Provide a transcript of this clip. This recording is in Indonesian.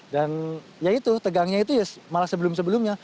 ya itu tegangnya itu ya malah sebelum sebelumnya